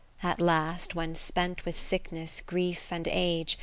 At last, when spent with sickness, grief and age.